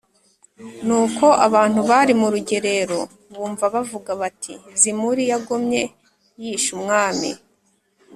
Nuko abantu bari mu rugerero bumva bavuga bati “Zimuri yagomye yishe umwami”